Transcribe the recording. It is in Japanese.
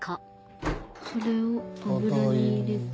それを油に入れて」。